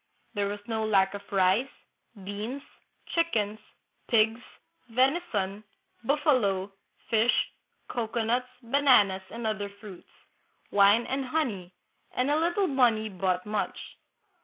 There was no lack of rice, beans, chickens, pigs, venison, buffalo, fish, cocoanuts, bananas, and other fruits, wine and honey; and a little money bought much.